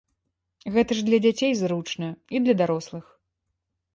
Гэта ж для дзяцей зручна, і для дарослых.